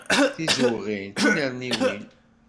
Tizewɣin, tinerniwin.